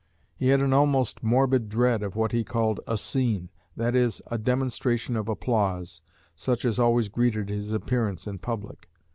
He had an almost morbid dread of what he called 'a scene' that is, a demonstration of applause, such as always greeted his appearance in public.